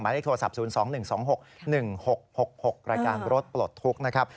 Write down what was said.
เลขโทรศัพท์๐๒๑๒๖๑๖๖๖รายการรถปลดทุกข์นะครับ